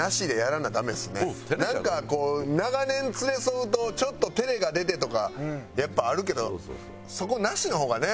なんか長年連れ添うとちょっと照れが出てとかやっぱあるけどそこなしの方がね。